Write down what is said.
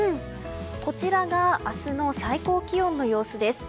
こちらが明日の最高気温の様子です。